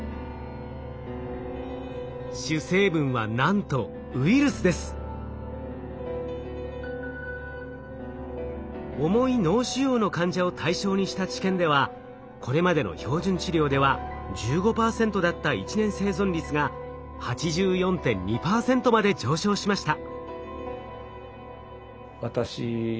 主成分はなんと重い脳腫瘍の患者を対象にした治験ではこれまでの標準治療では１５％だった１年生存率が８４．２％まで上昇しました。